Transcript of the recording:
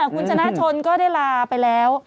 คุณชนะชนก็ได้ลาไปแล้ว